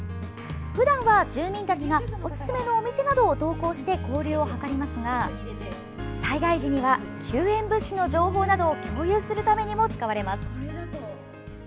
ふだんは住民たちがおすすめのお店などを投稿して交流を図りますが、災害時には救援物資の情報などを共有するためにも使われます。